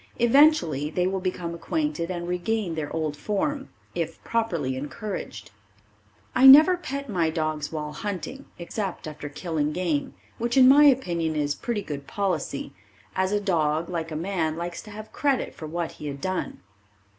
Eventually they will become acquainted and regain their old form, if properly encouraged. I never pet my dogs while hunting except after killing game which in my opinion is pretty good policy as a dog like a man likes to have credit for what he had done.